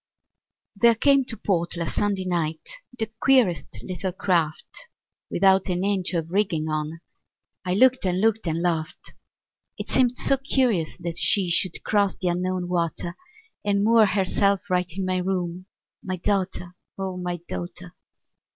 There came to port last Sunday night The queerest little craft, Without an inch of rigging on; I looked and looked and laughed. It seemed so curious that she Should cross the Unknown water, And moor herself right in my room, My daughter, O my daughter!